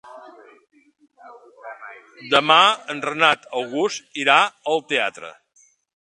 Demà en Renat August irà al teatre.